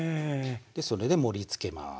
でそれで盛りつけます。